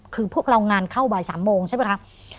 คือพวกเรางานเข้าบ่าย๓โมงใช่ไหมครับ